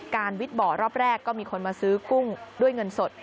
วิทย์บ่อรอบแรกก็มีคนมาซื้อกุ้งด้วยเงินสด